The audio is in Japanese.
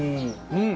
うん。